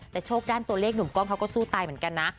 แต่โชคด้านตัวเลขหนุ่มกล้องเขาก็สู้ตายเหมือนกันนะ